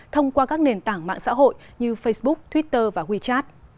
thông qua các nền tảng mạng xã hội như facebook twitter và wechat